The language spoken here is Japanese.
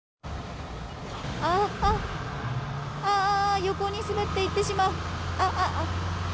横に滑って行ってしまう。